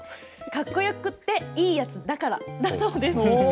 かっこよくて、いいやつだからだそうです。